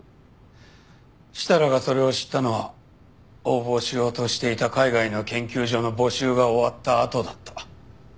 設楽がそれを知ったのは応募しようとしていた海外の研究所の募集が終わったあとだった。